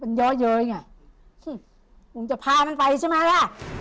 มันเยอะเย้ยไงมึงจะพามันไปใช่ไหมล่ะ